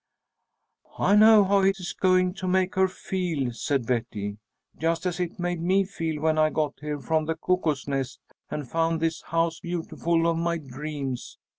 "I know how it is going to make her feel," said Betty. "Just as it made me feel when I got here from the Cuckoo's Nest, and found this 'House Beautiful' of my dreams.